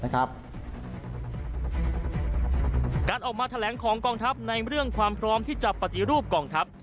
การออกมาแถลงของกองทัพในเรื่องความพร้อมที่จะปฏิรูปกองทัพ